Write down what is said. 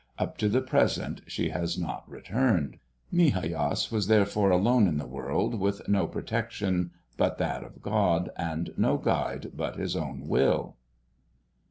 Up to the present she has not returned. Migajas was therefore alone in the world, with no protection but that of God, and no guide but his own will.